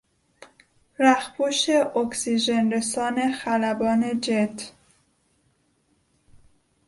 رخپوش اکسیژنرسان خلبان جت